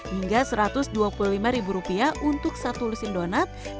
hingga satu ratus dua puluh lima rupiah untuk satu lusin donatnya